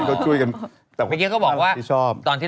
เป็นคนบริสุทธิ์